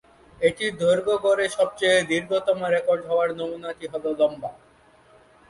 এটির দৈর্ঘ্য গড়ে সবচেয়ে দীর্ঘতম রেকর্ড হওয়া নমুনাটি হল লম্বা।